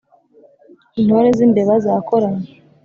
Intore z'imbeba zakoranye